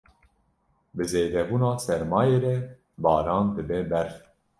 Bi zêdebûna sermayê re, baran dibe berf.